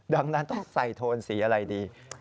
ดังนั้นต้องใส่โทนสีอะไรดี